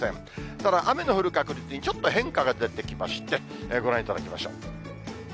ただ雨の降る確率にちょっと変化が出てきまして、ご覧いただきましょう。